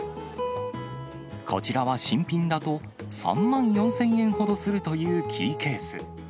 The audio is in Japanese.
こちらは新品だと、３万４０００円ほどするというキーケース。